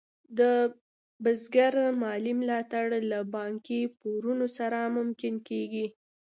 د بزګر مالي ملاتړ له بانکي پورونو سره ممکن کېږي.